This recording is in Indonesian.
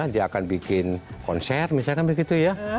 dia akan bikin konser misalkan begitu ya